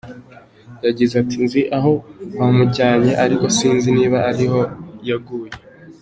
Yagize ati “Nzi aho bamujyanye ariko sinzi niba ariho yaguye.